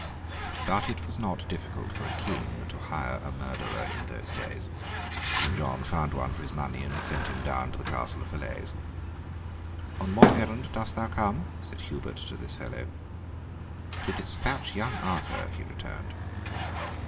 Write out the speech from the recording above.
But it was not difficult for a King to hire a murderer in those days. King John found one for his money, and sent him down to the castle of Falaise. 'On what errand dost thou come?' said Hubert to this fellow. 'To despatch young Arthur,' he returned.